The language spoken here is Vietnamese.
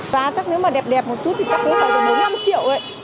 giá chắc nếu mà đẹp đẹp một chút thì chắc cũng phải bốn năm triệu